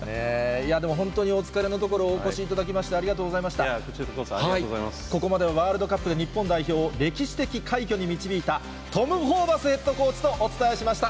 いやでも本当にお疲れのところ、お越しいただきまして、こちらこそ、ありがとうござここまでは、ワールドカップで日本代表を歴史的快挙に導いた、トム・ホーバスヘッドコーチとお伝えしました。